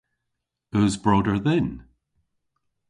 Eus broder dhyn?